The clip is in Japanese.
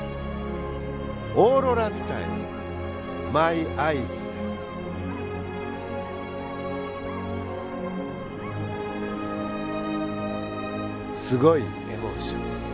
「オーロラ見たよマイアイズですごいエモーション」。